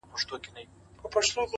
• نور دي دسترگو په كتاب كي،